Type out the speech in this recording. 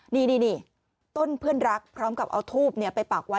นี่นี่นี่ต้นเพื่อนรักพร้อมกับเอาทูบเนี่ยไปปากไว้